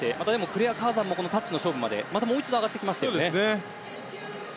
クレア・カーザンもタッチの勝負までもう一度上がってきましたよね。